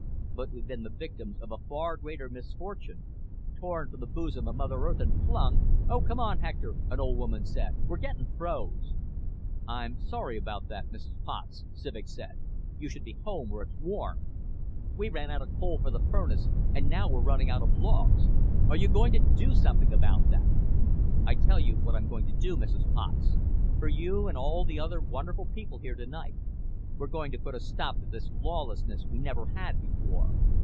But we've been the victims of a far greater misfortune, torn from the bosom of Mother Earth and flung " "Oh, come on, Hector," an old woman said. "We're getting froze." "I'm sorry about that, Mrs. Potts," Civek said. "You should be home where it's warm." "We ran out of coal for the furnace and now we're running out of logs. Are you going to do something about that?" "I'll tell you what I'm going to do, Mrs. Potts, for you and all the other wonderful people here tonight. We're going to put a stop to this lawlessness we never had before.